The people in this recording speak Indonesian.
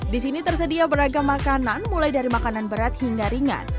di sini tersedia beragam makanan mulai dari makanan berat hingga ringan